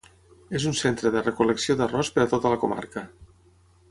És un centre de recol·lecció d'arròs per a tota la comarca.